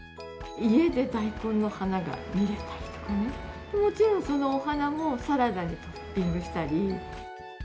家で大根の花が見れたりとかね、もちろんそのお花もサラダにトッピングしたり。